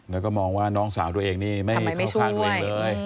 แล้วก็มองว่าน้องสาวตัวเองนี่ไม่เข้าข้างตัวเองเลย